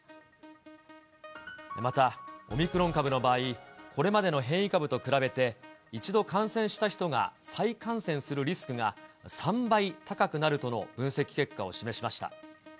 また、オミクロン株の場合、これまでの変異株と比べて、一度感染した人が再感染するリスクが３倍高くなるとの分析結果を示しました。